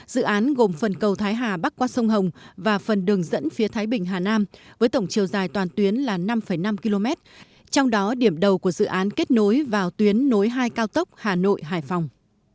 dự án gồm phần cầu thái hà bắc qua sông hồng và phần đường dẫn phía thái bình hà nam với tổng chiều dài toàn tuyến là năm năm km trong đó điểm đầu của dự án kết nối vào tuyến nối hai cao tốc hà nội hải phòng